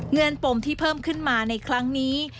เงินปมที่เพิ่มขึ้นมาในครั้งนี้